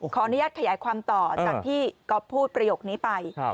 ขออนุญาตขยายความต่อจากที่ก๊อฟพูดประโยคนี้ไป